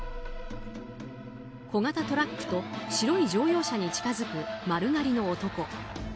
小型トラックと白い乗用車に近づく丸刈りの男。